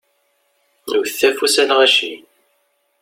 Wtet afus, a lɣaci!